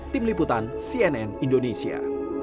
tim liputan cnn indonesia